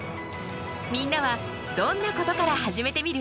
みんなはどんなことから始めてみる？